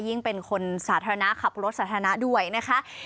ยิ่งเป็นคนสาธารณะขับรถสาธารณะด้วยนะคะ